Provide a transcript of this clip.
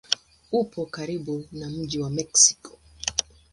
Upo karibu na mji wa Meksiko.